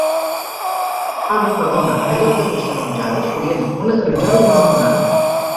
Ah no perdona, enlloc de dues taronjades, voldria una taronjada i una llimonada.